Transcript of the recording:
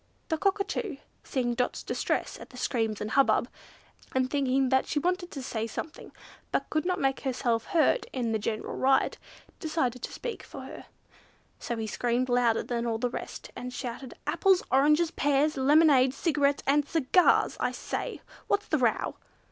The Cockatoo, seeing Dot's distress at the screams and hubbub, and thinking that she wanted to say something, but could not make herself heard in the general riot, decided to speak for her; so he screamed louder than all the rest, and shouted, "Apples, oranges, pears, lemonade, cigarettes, and cigars! I say! what's the row?"